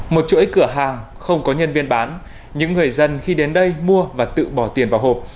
một chuỗi cửa hàng không có nhân viên bán những người dân khi đến đây mua và tự bỏ tiền vào hộp